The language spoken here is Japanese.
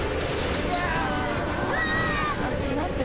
うわ！